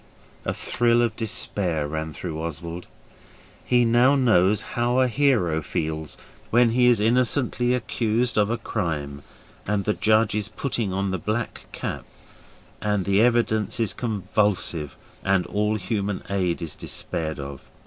A thrill of despair ran through Oswald. He knows now how a hero feels when he is innocently accused of a crime and the judge is putting on the black cap, and the evidence is convulsive and all human aid is despaired of.